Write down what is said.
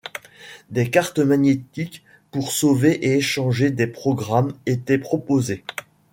Des cartes magnétiques pour sauver et échanger des programmes étaient proposées.